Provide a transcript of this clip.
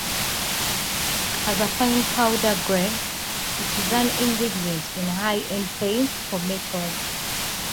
As a fine powder grade, it is an ingredient in high-end paints for metals.